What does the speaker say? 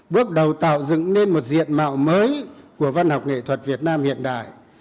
bước đầu tạo dựng nên một diện mạo mới của văn học nghệ thuật việt nam hiện đại